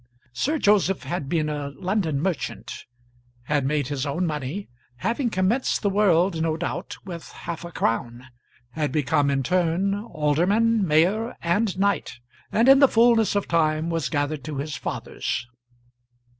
Sir Joseph had been a London merchant; had made his own money, having commenced the world, no doubt, with half a crown; had become, in turn, alderman, mayor, and knight; and in the fulness of time was gathered to his fathers.